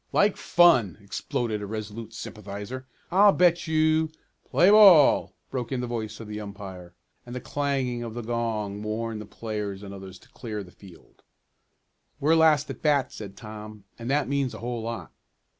"Like fun!" exploded a Resolute sympathizer. "I'll bet you " "Play ball!" broke in the voice of the umpire, and the clanging of the gong warned the players and others to clear the field. "We're last at the bat," said Tom, "and that means a whole lot."